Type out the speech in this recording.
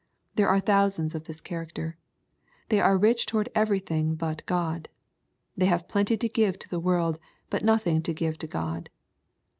There are thousands of this character. They ai e rich toward every thing but God. They have plenty to give to the world, but nothing to give to God.